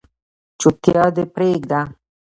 چوپتیا دې پریږده